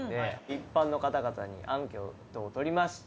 一般の方々にアンケートを取りました。